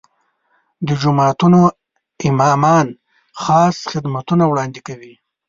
د جوماتونو امامان خاص خدمتونه وړاندې کوي.